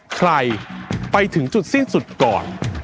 ใครไปถึงจุดสิ้นสุดก่อน